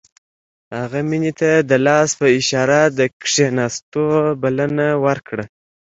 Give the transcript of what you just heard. هغه مينې ته د لاس په اشاره د کښېناستو بلنه ورکړه.